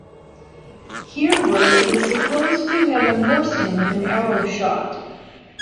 Hereward is supposed to have unhorsed him with an arrow shot.